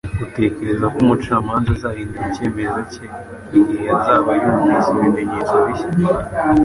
Utekereza ko umucamanza azahindura icyemezo cye igihe azaba yumvise ibimenyetso bishya?